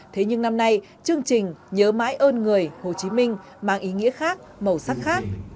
thế nhưng năm nay chương trình nhớ mãi ơn người hồ chí minh mang ý nghĩa khác màu sắc khác